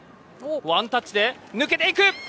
ワンタッチで抜けていく。